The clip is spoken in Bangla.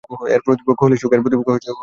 এর প্রতিপক্ষ হলে সুখ।